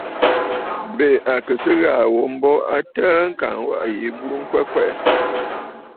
Bɨ kɨ̀ sɨ ghàà ghu mbo a təə kaa waʼà yi burə ŋkwɛ kwɛʼɛ.